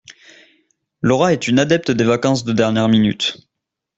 Laura est une adepte des vacances de dernière minute.